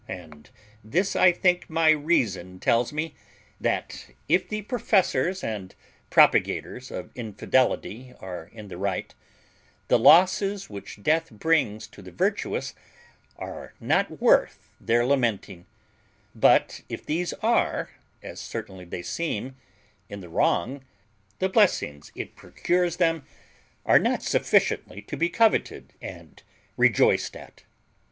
And this I think my reason tells me, that, if the professors and propagators of infidelity are in the right, the losses which death brings to the virtuous are not worth their lamenting; but if these are, as certainly they seem, in the wrong, the blessings it procures them are not sufficiently to be coveted and rejoiced at.